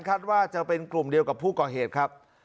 ว่าจะเป็นกลุ่มเดียวกับผู้ก่อเหตุครับ